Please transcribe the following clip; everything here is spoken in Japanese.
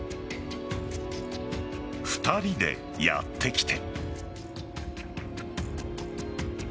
２人でやって来て。